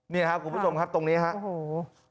นี่ครับคุณผู้ชมครับตรงนี้ครับโอ้โห